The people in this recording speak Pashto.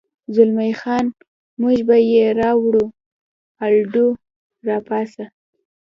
زلمی خان: موږ به یې راوړو، الډو، را پاڅه.